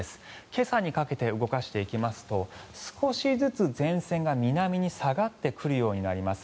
今朝にかけて動かしていきますと少しずつ前線が、南に下がってくるようになります。